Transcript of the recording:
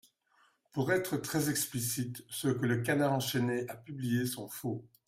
Pour être très explicite, ceux que Le Canard enchaîné a publiés sont faux.